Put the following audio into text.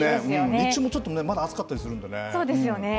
日中もちょっと、まだ暑かったりそうですよね。